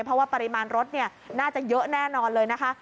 เพราะว่าปริมาณรถน่าจะเยอะแน่นอนเลยนะคะ